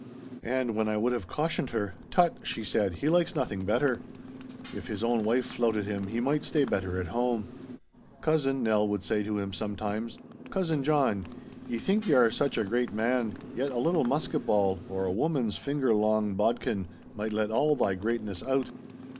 And when I would have cautioned her, 'Tut,' she said, 'he likes nothing better. If his own wife flouted him, he might stay better at home.' 'Cousin,' Nell would say to him sometimes, 'Cousin John, ye think ye are such a great man, yet a little musket ball, or a woman's finger long bodkin, might let all thy greatness out.